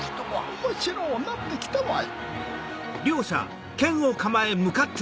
面白うなって来たわい。